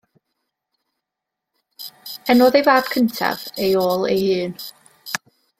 Enwodd ei fab cyntaf ei ôl ei hun.